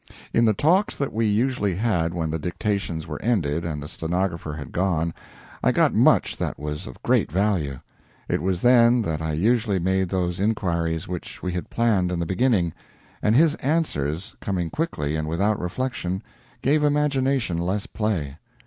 In the talks that we usually had when the dictations were ended and the stenographer had gone I got much that was of great value. It was then that I usually made those inquiries which we had planned in the beginning, and his answers, coming quickly and without reflection, gave imagination less play.